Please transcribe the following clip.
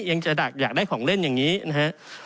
ยังจะอยากได้ของเล่นอย่างนี้นะครับ